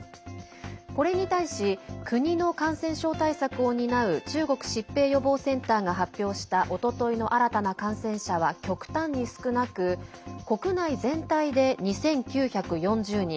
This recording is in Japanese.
これに対し国の感染症対策を担う中国疾病予防センターが発表したおとといの新たな感染者は極端に少なく国内全体で２９４０人